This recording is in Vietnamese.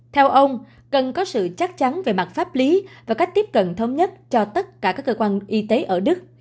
theo ông cần có sự chắc chắn về mặt pháp lý và cách tiếp cận thống nhất cho tất cả các cơ quan y tế ở đức